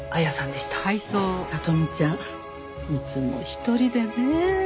聖美ちゃんいつも一人でね